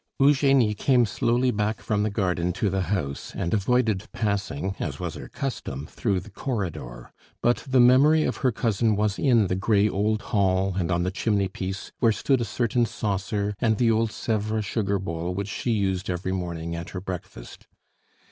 XIV Eugenie came slowly back from the garden to the house, and avoided passing, as was her custom, through the corridor. But the memory of her cousin was in the gray old hall and on the chimney piece, where stood a certain saucer and the old Sevres sugar bowl which she used every morning at her breakfast.